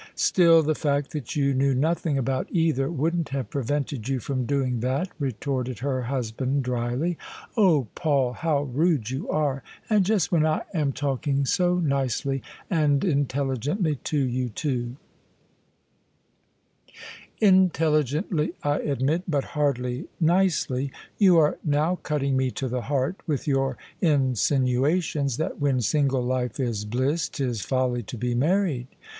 " Still, the fact that you knew nothing about either wouldn't have prevented you from doing that," retorted her husband drily. " Oh, Paul, how rude you are — and just when I am talk ing so nicely and intelligently to you, tool " OF ISABEL CARNABY " Intdligently I admit, but hardly nicely. You are now cutting me to the heart with your insinuations that when single life is bliss 'tis folly to be married.